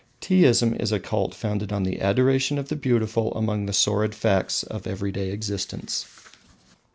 Teaism is a cult founded on the adoration of the beautiful among the sordid facts of everyday existence.